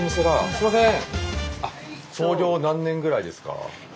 すいません。